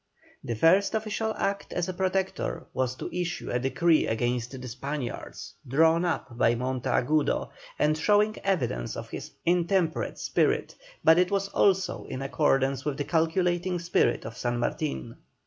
The first official act of the Protector was to issue a decree against the Spaniards, drawn up by Monteagudo, and showing evidence of his intemperate spirit, but it was also in accordance with the calculating spirit of San Martin.